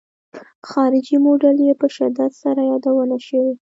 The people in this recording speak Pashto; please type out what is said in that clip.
خارجي موډل یې په شدت سره یادونه شوې.